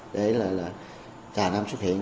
để là trà nam xuất hiện